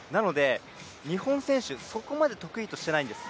日本選手、そこまで得意としてないんです。